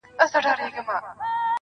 چي راګورې په نازونو